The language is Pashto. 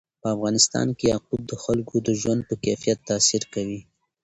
په افغانستان کې یاقوت د خلکو د ژوند په کیفیت تاثیر کوي.